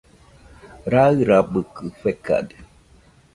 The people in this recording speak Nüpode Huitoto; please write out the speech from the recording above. Rairabɨkɨ fekade.